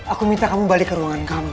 aku minta kamu balik ke ruangan kamu